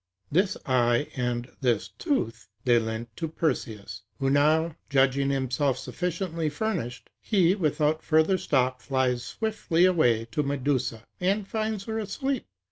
This eye and this tooth they lent to Perseus, who now judging himself sufficiently furnished, he, without further stop, flies swiftly away to Medusa, and finds her asleep.